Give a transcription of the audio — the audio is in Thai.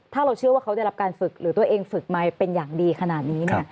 ถ้าเราเชื่อว่าเขาได้รับการฝึกหรือตัวเองฝึกมาเป็นอย่างดีขนาดนี้